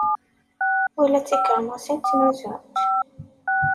Ula d tikermusin ttnuzunt!